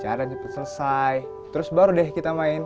cara cepat selesai terus baru deh kita main